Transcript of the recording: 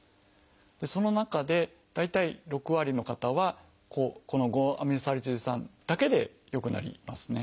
その中で大体６割の方はこの５−アミノサリチル酸だけで良くなりますね。